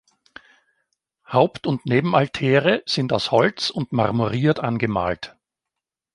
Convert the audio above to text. Haupt- und Nebenaltäre sind aus Holz und marmoriert angemalt.